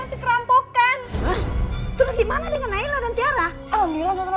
sampai jumpa di video selanjutnya